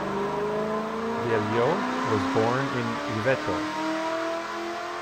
Vieillot was born in Yvetot.